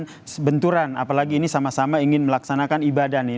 bukan benturan apalagi ini sama sama ingin melaksanakan ibadah nih